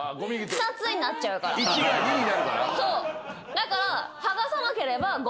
だから。